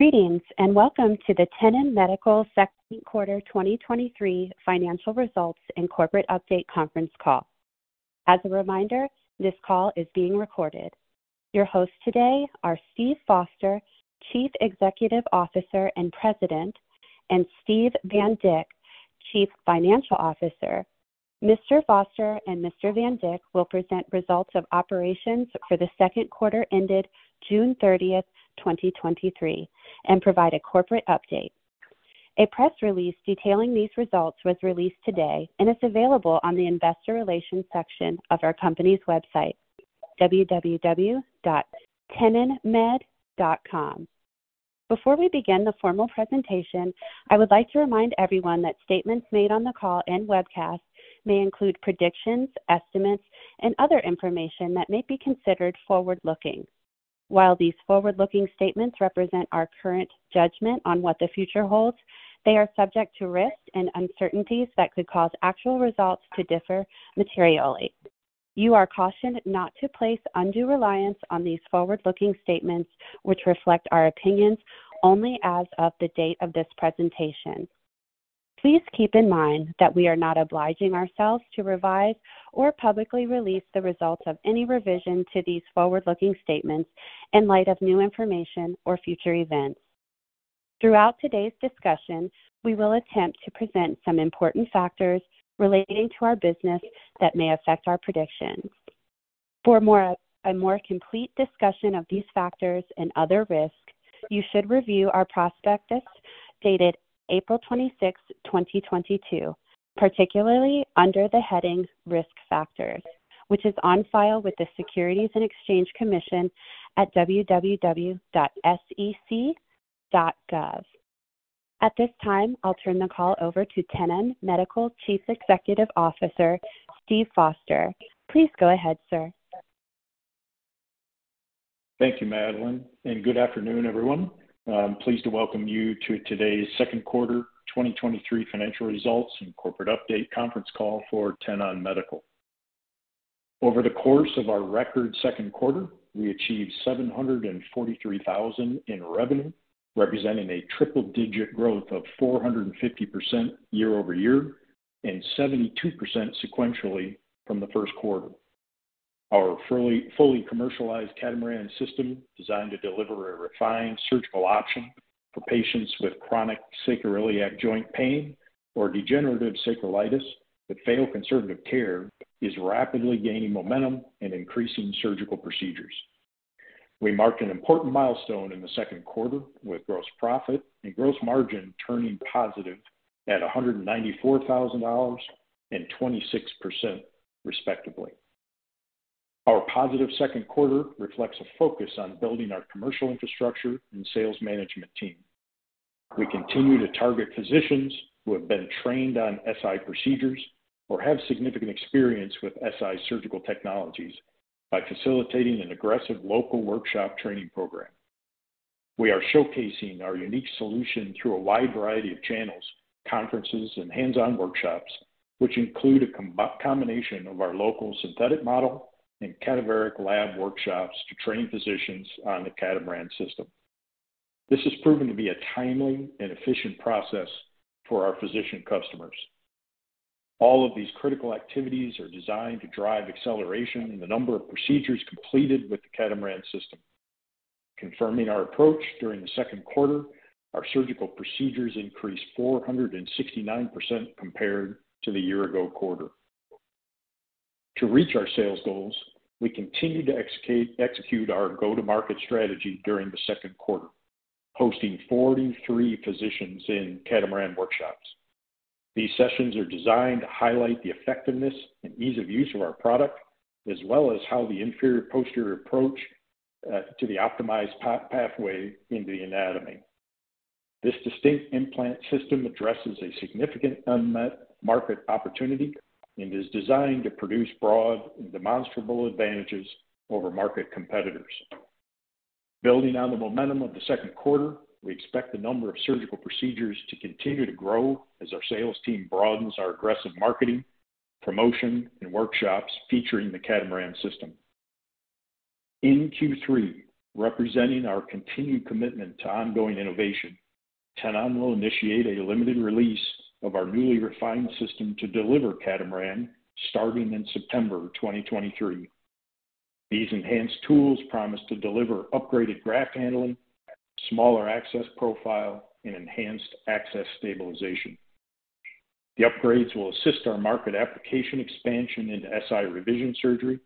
Greetings, welcome to the Tenon Medical Second Quarter 2023 Financial Results and Corporate Update conference call. As a reminder, this call is being recorded. Your hosts today are Steve Foster, Chief Executive Officer and President, and Steve Van Vleck, Chief Financial Officer. Mr. Foster and Mr. Van Vleck will present results of operations for the second quarter ended June 30, 2023, and provide a corporate update. A press release detailing these results was released today, it's available on the investor relations section of our company's website, www.tenonmed.com. Before we begin the formal presentation, I would like to remind everyone that statements made on the call and webcast may include predictions, estimates, and other information that may be considered forward-looking. While these forward-looking statements represent our current judgment on what the future holds, they are subject to risks and uncertainties that could cause actual results to differ materially. You are cautioned not to place undue reliance on these forward-looking statements, which reflect our opinions only as of the date of this presentation. Please keep in mind that we are not obliging ourselves to revise or publicly release the results of any revision to these forward-looking statements in light of new information or future events. Throughout today's discussion, we will attempt to present some important factors relating to our business that may affect our predictions. For a more complete discussion of these factors and other risks, you should review our prospectus, dated April 26th, 2022, particularly under the heading Risk Factors, which is on file with the Securities and Exchange Commission at www.sec.gov. At this time, I'll turn the call over to Tenon Medical Chief Executive Officer, Steve Foster. Please go ahead, sir. Thank you, Madeline. Good afternoon, everyone. I'm pleased to welcome you to today's second quarter 2023 financial results and corporate update conference call for Tenon Medical. Over the course of our record second quarter, we achieved $743,000 in revenue, representing a triple-digit growth of 450% year-over-year and 72% sequentially from the first quarter. Our fully commercialized Catamaran system, designed to deliver a refined surgical option for patients with chronic sacroiliac joint pain or degenerative sacroiliitis, that fail conservative care, is rapidly gaining momentum and increasing surgical procedures. We marked an important milestone in the second quarter with gross profit and gross margin turning positive at $194,000 and 26%, respectively. Our positive second quarter reflects a focus on building our commercial infrastructure and sales management team. We continue to target physicians who have been trained on SI procedures or have significant experience with SI surgical technologies by facilitating an aggressive local workshop training program. We are showcasing our unique solution through a wide variety of channels, conferences, and hands-on workshops, which include a combination of our local synthetic model and cadaveric lab workshops to train physicians on the Catamaran system. This has proven to be a timely and efficient process for our physician customers. All of these critical activities are designed to drive acceleration in the number of procedures completed with the Catamaran system. Confirming our approach during the second quarter, our surgical procedures increased 469% compared to the year-ago quarter. To reach our sales goals, we continued to execute our go-to-market strategy during the second quarter, hosting 43 physicians in Catamaran workshops. These sessions are designed to highlight the effectiveness and ease of use of our product, as well as how the inferior-posterior approach to the optimized pathway into the anatomy. This distinct implant system addresses a significant unmet market opportunity and is designed to produce broad and demonstrable advantages over market competitors. Building on the momentum of the second quarter, we expect the number of surgical procedures to continue to grow as our sales team broadens our aggressive marketing, promotion, and workshops featuring the Catamaran system. In Q3, representing our continued commitment to ongoing innovation, Tenon will initiate a limited release of our newly refined system to deliver Catamaran starting in September 2023. These enhanced tools promise to deliver upgraded graft handling, smaller access profile, and enhanced access stabilization. The upgrades will assist our market application expansion into SI revision surgery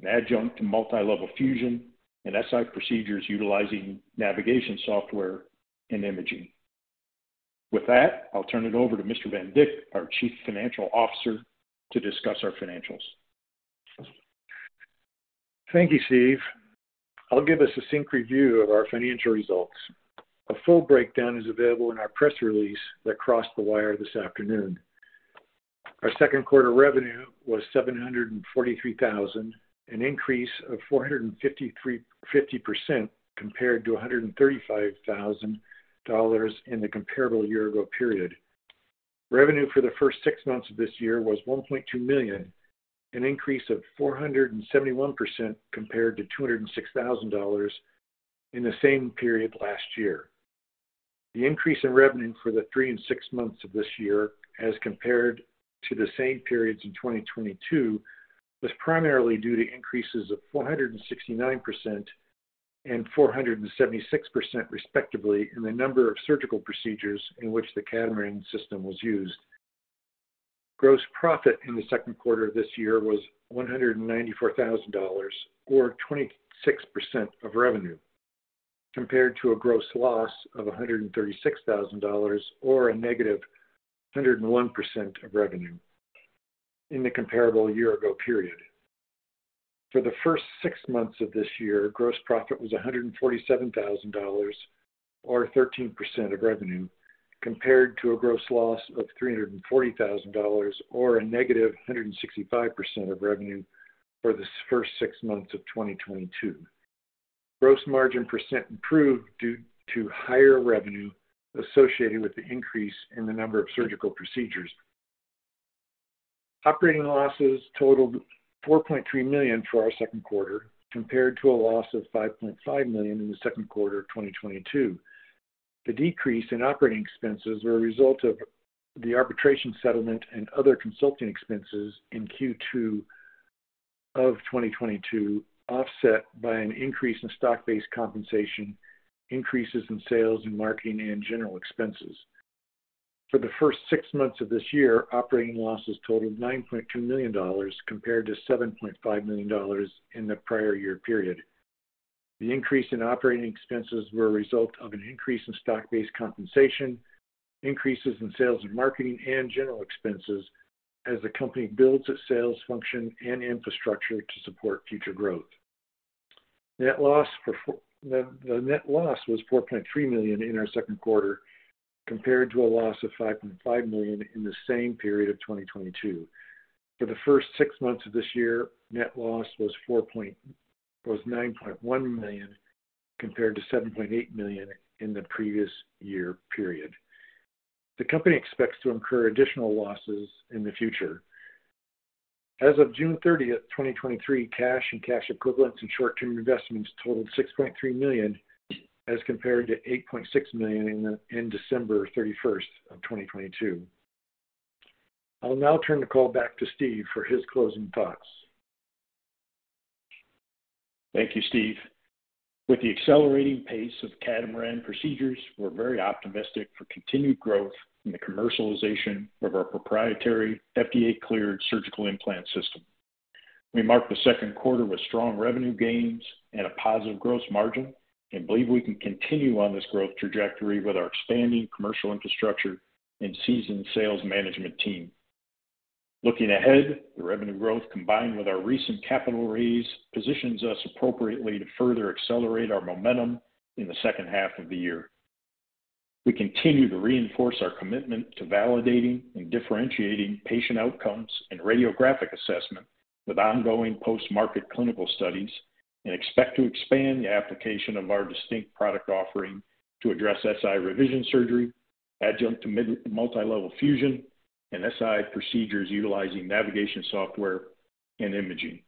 and adjunct to multi-level fusion and SI procedures utilizing navigation, software, and imaging. With that, I'll turn it over to Mr. Van Dijk, our Chief Financial Officer, to discuss our financials. Thank you, Steve. I'll give a succinct review of our financial results. A full breakdown is available in our press release that crossed the wire this afternoon. Our second quarter revenue was $743,000, an increase of 453% compared to $135,000 in the comparable year-ago period. Revenue for the first six months of this year was $1.2 million, an increase of 471% compared to $206,000 in the same period last year. The increase in revenue for the three and six months of this year, as compared to the same periods in 2022, was primarily due to increases of 469% and 476%, respectively, in the number of surgical procedures in which the Catamaran system was used. Gross profit in the second quarter of this year was $194,000, or 26% of revenue, compared to a gross loss of $136,000, or a negative 101% of revenue in the comparable year-ago period. For the first six months of this year, gross profit was $147,000, or 13% of revenue, compared to a gross loss of $340,000 or a negative 165% of revenue for the first six months of 2022. Gross margin % improved due to higher revenue associated with the increase in the number of surgical procedures. Operating losses totaled $4.3 million for our second quarter, compared to a loss of $5.5 million in the second quarter of 2022. The decrease in operating expenses were a result of the arbitration settlement and other consulting expenses in Q2 of 2022, offset by an increase in stock-based compensation, increases in sales and marketing, and general expenses. For the first six months of this year, operating losses totaled $9.2 million, compared to $7.5 million in the prior year period. The increase in operating expenses were a result of an increase in stock-based compensation, increases in sales and marketing, and general expenses as the company builds its sales function and infrastructure to support future growth. Net loss was $4.3 million in our second quarter, compared to a loss of $5.5 million in the same period of 2022. For the first six months of this year, net loss was $9.1 million, compared to $7.8 million in the previous year period. The company expects to incur additional losses in the future. As of June 30th, 2023, cash and cash equivalents and short-term investments totaled $6.3 million, as compared to $8.6 million in December 31st, 2022. I'll now turn the call back to Steve for his closing thoughts. Thank you, Steve. With the accelerating pace of Catamaran procedures, we're very optimistic for continued growth in the commercialization of our proprietary FDA-cleared surgical implant system. We marked the second quarter with strong revenue gains and a positive gross margin and believe we can continue on this growth trajectory with our expanding commercial infrastructure and seasoned sales management team. Looking ahead, the revenue growth, combined with our recent capital raise, positions us appropriately to further accelerate our momentum in the second half of the year. We continue to reinforce our commitment to validating and differentiating patient outcomes and radiographic assessment with ongoing post-market clinical studies, and expect to expand the application of our distinct product offering to address SI revision surgery, adjunct to mid-multilevel fusion, and SI procedures utilizing navigation, software, and imaging.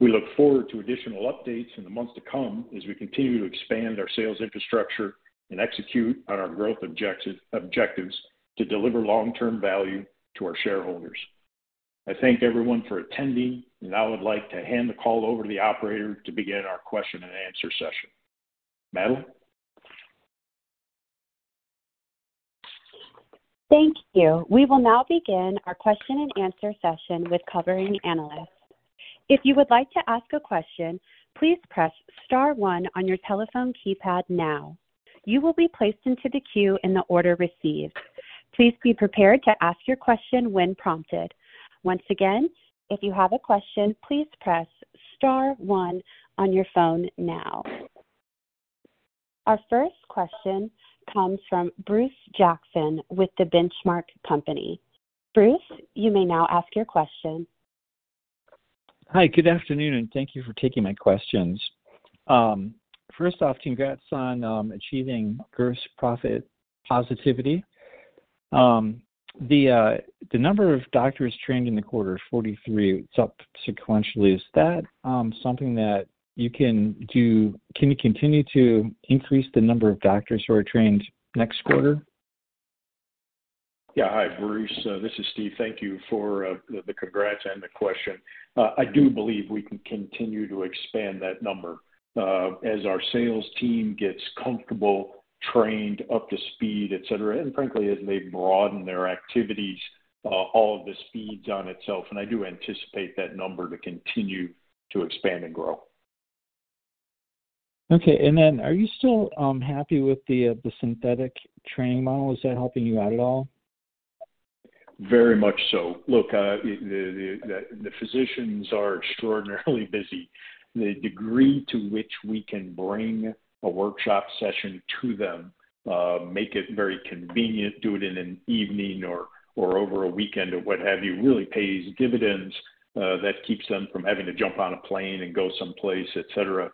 We look forward to additional updates in the months to come as we continue to expand our sales infrastructure and execute on our growth objectives to deliver long-term value to our shareholders. I thank everyone for attending, and I would like to hand the call over to the operator to begin our question and answer session. Madeline? Thank you. We will now begin our question-and-answer session with covering analysts. If you would like to ask a question, please press star 1 on your telephone keypad now. You will be placed into the queue in the order received. Please be prepared to ask your question when prompted. Once again, if you have a question, please press star 1 on your phone now. Our first question comes from Bruce Jackson with The Benchmark Company. Bruce, you may now ask your question. Hi, good afternoon, and thank you for taking my questions. First off, congrats on achieving gross profit positivity. The number of doctors trained in the quarter, 43, it's up sequentially. Is that something that you can do? Can you continue to increase the number of doctors who are trained next quarter? Yeah. Hi, Bruce, this is Steve. Thank you for the congrats and the question. I do believe we can continue to expand that number, as our sales team gets comfortable, trained, up to speed, et cetera. Frankly, as they broaden their activities, all of the speeds on itself, and I do anticipate that number to continue to expand and grow. Okay, are you still happy with the the synthetic training model? Is that helping you out at all? Very much so. Look, the physicians are extraordinarily busy. The degree to which we can bring a workshop session to them, make it very convenient, do it in an evening or over a weekend or what have you, really pays dividends that keeps them from having to jump on a plane and go someplace, et cetera.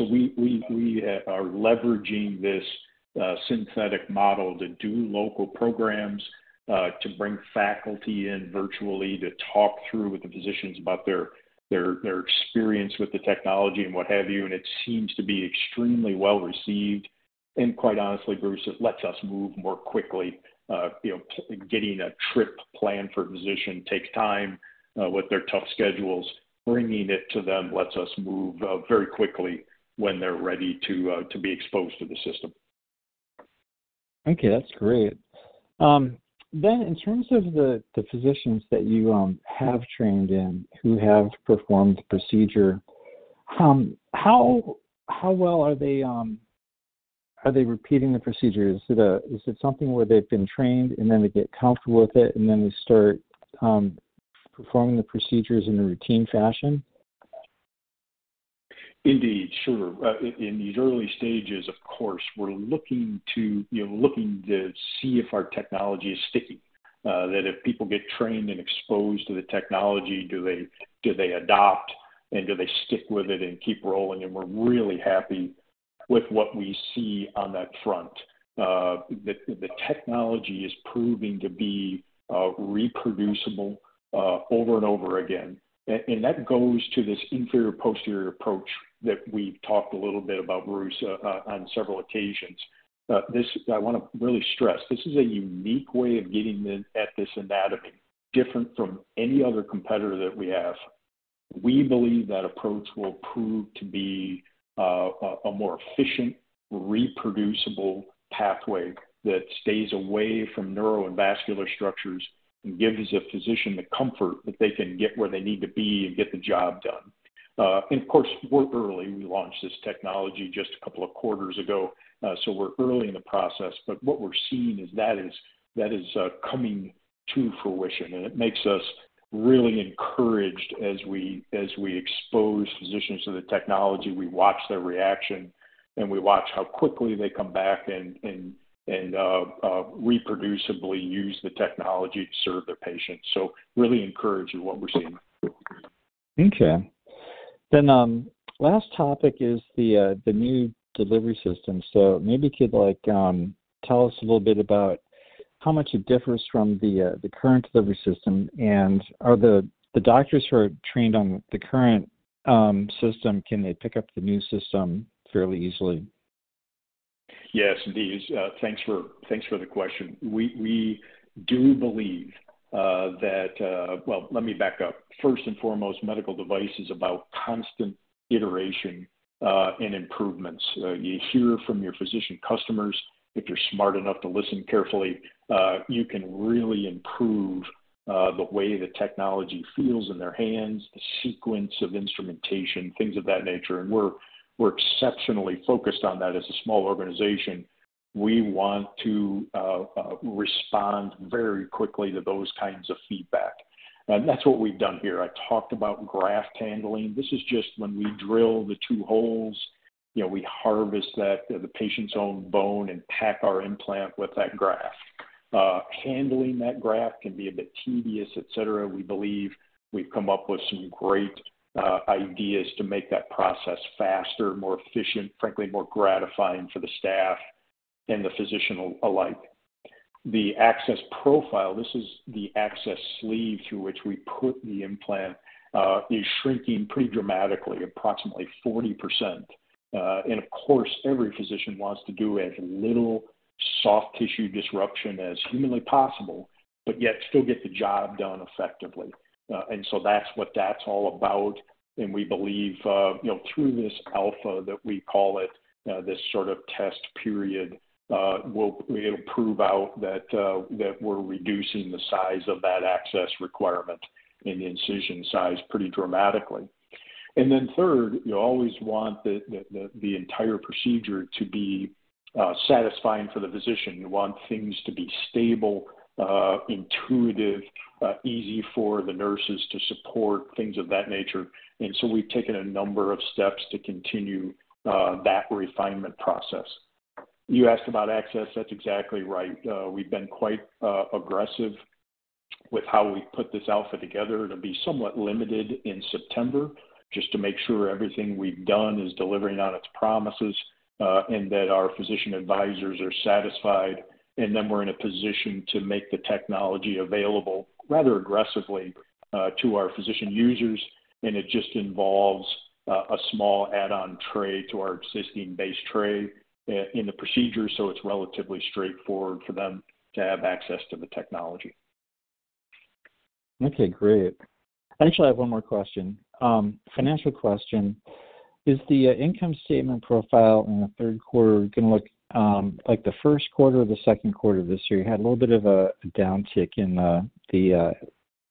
We, we, we are leveraging this synthetic model to do local programs to bring faculty in virtually to talk through with the physicians about their, their, their experience with the technology and what have you. It seems to be extremely well received. Quite honestly, Bruce, it lets us move more quickly. You know, getting a trip planned for a physician takes time with their tough schedules. Bringing it to them lets us move very quickly when they're ready to be exposed to the system. Okay, that's great. In terms of the, the physicians that you have trained in, who have performed the procedure, how, how well are they, are they repeating the procedure? Is it something where they've been trained and then they get comfortable with it, and then they start performing the procedures in a routine fashion? Indeed, sure. In these early stages, of course, we're looking to, you know, looking to see if our technology is sticking. That if people get trained and exposed to the technology, do they adopt, and do they stick with it and keep rolling? We're really happy with what we see on that front. The technology is proving to be reproducible over and over again. That goes to this inferior-posterior approach that we've talked a little bit about, Bruce, on several occasions. This... I wanna really stress, this is a unique way of getting in at this anatomy, different from any other competitor that we have. We believe that approach will prove to be a more efficient, reproducible pathway that stays away from neuro and vascular structures and gives a physician the comfort that they can get where they need to be and get the job done. Of course, we're early. We launched this technology just a couple of quarters ago, so we're early in the process, but what we're seeing is that is, that is coming to fruition, and it makes us really encouraged as we, as we expose physicians to the technology. We watch their reaction, and we watch how quickly they come back and, and, and reproducibly use the technology to serve their patients. Really encouraged in what we're seeing. Okay. Last topic is the new delivery system. Maybe you could, like, tell us a little bit about how much it differs from the current delivery system, and are the, the doctors who are trained on the current system, can they pick up the new system fairly easily? Yes, indeed. Thanks for, thanks for the question. We, we do believe. Well, let me back up. First and foremost, medical device is about constant iteration and improvements. You hear from your physician customers, if you're smart enough to listen carefully, you can really improve the way the technology feels in their hands, the sequence of instrumentation, things of that nature. We're, we're exceptionally focused on that as a small organization. We want to respond very quickly to those kinds of feedback. That's what we've done here. I talked about graft handling. This is just when we drill the two holes, you know, we harvest that, the patient's own bone and pack our implant with that graft. Handling that graft can be a bit tedious, et cetera. We believe we've come up with some great ideas to make that process faster, more efficient, frankly, more gratifying for the staff and the physician alike. The access profile, this is the access sleeve through which we put the implant, is shrinking pretty dramatically, approximately 40%. Of course, every physician wants to do as little soft tissue disruption as humanly possible, but yet still get the job done effectively. So that's what that's all about, and we believe, you know, through this alpha that we call it, this sort of test period, it'll prove out that we're reducing the size of that access requirement and the incision size pretty dramatically. Then third, you always want the, the, the, the entire procedure to be satisfying for the physician. You want things to be stable, intuitive, easy for the nurses to support, things of that nature. So we've taken a number of steps to continue that refinement process. You asked about access. That's exactly right. We've been quite aggressive with how we put this alpha together to be somewhat limited in September, just to make sure everything we've done is delivering on its promises, and that our physician advisors are satisfied. Then we're in a position to make the technology available rather aggressively to our physician users, and it just involves a small add-on tray to our existing base tray in the procedure, so it's relatively straightforward for them to have access to the technology. Okay, great. Actually, I have one more question. financial question: Is the income statement profile in the third quarter gonna look like the first quarter or the second quarter of this year? You had a little bit of a, a downtick in the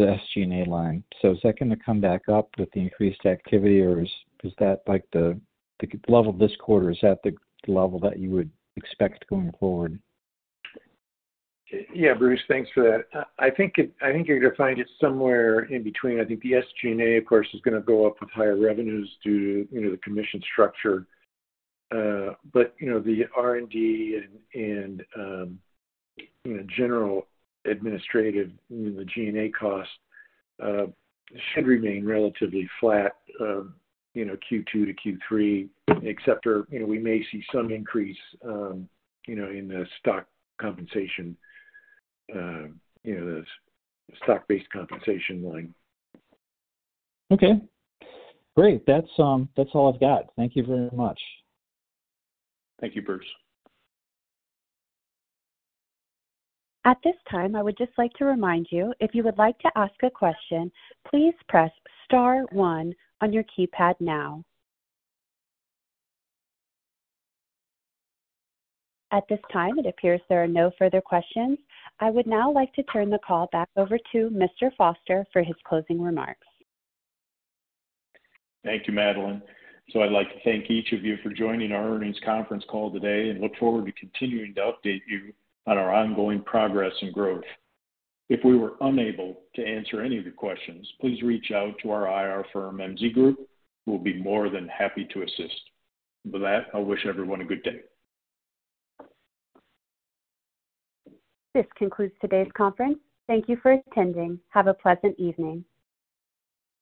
SG&A line. Is that going to come back up with the increased activity, or is that the level this quarter, is that the level that you would expect going forward? Yeah, Bruce, thanks for that. I think I think you're gonna find it somewhere in between. I think the SG&A, of course, is gonna go up with higher revenues due to, you know, the commission structure. You know, the R&D and, and, you know, general administrative, you know, the G&A costs should remain relatively flat, you know, Q2 to Q3. Except for, you know, we may see some increase, you know, in the stock compensation, you know, the stock-based compensation line. Okay, great. That's, that's all I've got. Thank you very much. Thank you, Bruce. At this time, I would just like to remind you, if you would like to ask a question, please press star one on your keypad now. At this time, it appears there are no further questions. I would now like to turn the call back over to Mr. Foster for his closing remarks. Thank you, Madeline. I'd like to thank each of you for joining our earnings conference call today and look forward to continuing to update you on our ongoing progress and growth. If we were unable to answer any of your questions, please reach out to our IR firm, MZ Group. We'll be more than happy to assist. With that, I wish everyone a good day. This concludes today's conference. Thank you for attending. Have a pleasant evening.